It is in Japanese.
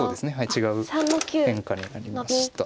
違う変化になりました。